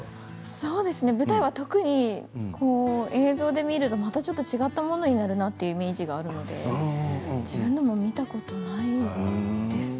舞台は特に映像で見るとまたちょっと違ったものになるなというイメージがあるので自分でも見たことないですね。